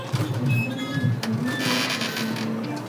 سندره د شاعر روح څرګندوي